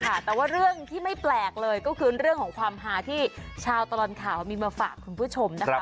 แต่ว่าเรื่องที่ไม่แปลกเลยก็คือเรื่องของความหาที่ชาวตลอดข่าวมีมาฝากคุณผู้ชมนะคะ